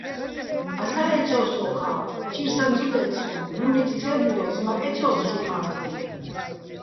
ასა́ ეცო́ს ო ყა́ვ, ჭირსაჼ ცო დე́წ სოჼ, ბურნით თე́ბლდოს, მა́ ეცო́ს, შუ ხა́თრუნ.